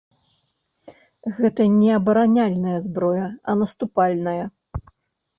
Гэта не абараняльная зброя, а наступальная.